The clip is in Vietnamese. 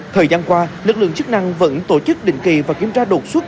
thời gian qua lực lượng chức năng vẫn tổ chức định kỳ và kiểm tra đột xuất